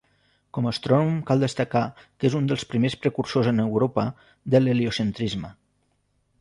Com a astrònom cal destacar que és un dels primers precursors en Europa de l'heliocentrisme.